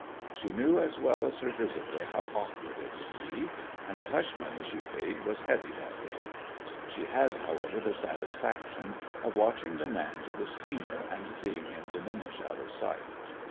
She knew as well as her visitor how awkward it would be; and the hush money she paid was heavy that day. She had, however, the satisfaction of watching the man to the steamer, and seeing him diminish out of sight.